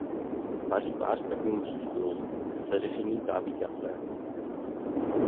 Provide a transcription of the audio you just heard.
Tváří v tvář takovým číslům se řešení zdá být jasné.